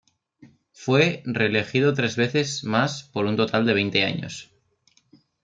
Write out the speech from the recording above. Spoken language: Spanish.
Fue reelegido tres veces más por un total de veinte años.